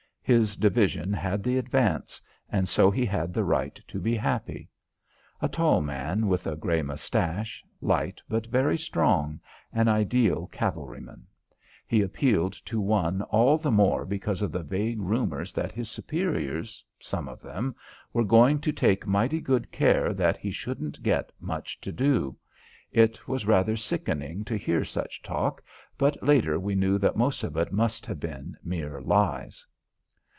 His division had the advance, and so he had the right to be happy. A tall man with a grey moustache, light but very strong, an ideal cavalryman. He appealed to one all the more because of the vague rumours that his superiors some of them were going to take mighty good care that he shouldn't get much to do. It was rather sickening to hear such talk, but later we knew that most of it must have been mere lies.